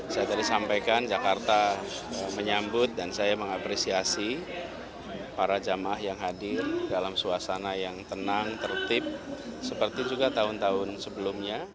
saya tadi sampaikan jakarta menyambut dan saya mengapresiasi para jamaah yang hadir dalam suasana yang tenang tertib seperti juga tahun tahun sebelumnya